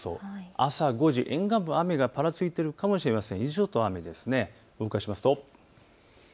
朝５時、沿岸部、雨がぱらついているかもしれません。